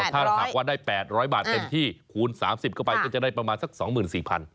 ถ้าหากว่าได้๘๐๐บาทเต็มที่คูณ๓๐เข้าไปก็จะได้ประมาณสัก๒๔๐๐บาท